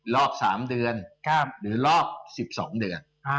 รอบ๓เดือนหรือรอบ๑๒เดือน